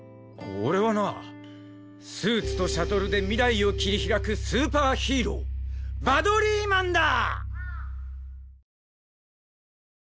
俺はなスーツとシャトルで未来を切り開くスーパーヒーローバドリーマンだ！